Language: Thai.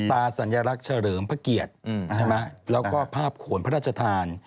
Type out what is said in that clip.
สาสัญลักษณ์เฉลิมพระเกียรติแล้วก็ภาพขวนพระราชทาน